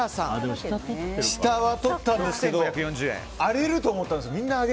下は取ったんですけど上げると思ったんです。